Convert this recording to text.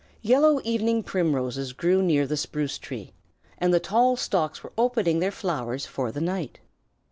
Yellow evening primroses grew near the spruce tree, and the tall stalks were opening their flowers for the night.